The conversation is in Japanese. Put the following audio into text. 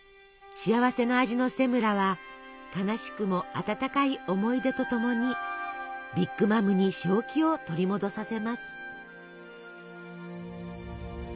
幸せの味のセムラは悲しくもあたたかい思い出とともにビッグ・マムに正気を取り戻させます。